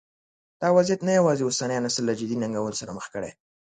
دا وضعیت نه یوازې اوسنی نسل له جدي ننګونو سره مخ کړی.